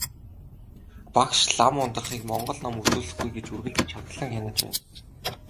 Багш лам Ундрахыг монгол ном үзүүлэхгүй гэж үргэлж чандлан хянаж байв.